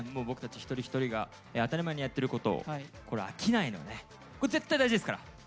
僕たち一人一人が当たり前にやってることをこれ飽きないのね絶対大事ですから。